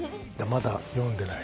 まだ読んでない？